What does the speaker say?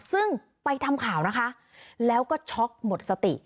ซึ่งไปทำข่าวนะคะแล้วก็ช็อกหมดสติ